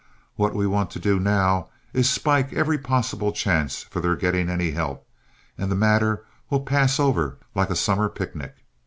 What we want to do now is to spike every possible chance for their getting any help, and the matter will pass over like a summer picnic.